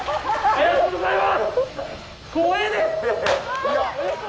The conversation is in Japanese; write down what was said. ありがとうございます！